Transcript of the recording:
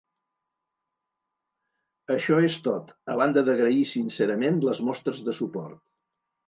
Això és tot, a banda d'agrair sincerament les mostres de suport.